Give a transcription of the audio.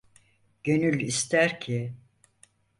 Gönül ister ki…